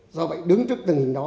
do vậy đứng trước tình hình đó